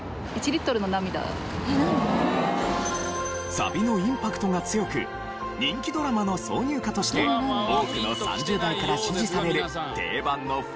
サビのインパクトが強く人気ドラマの挿入歌として多くの３０代から支持される定番の冬ソング。